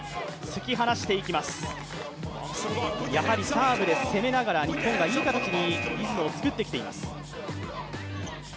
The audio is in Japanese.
サーブで攻めながら日本がいい形にリズムをつくってきています。